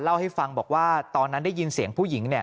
เล่าให้ฟังบอกว่าตอนนั้นได้ยินเสียงผู้หญิง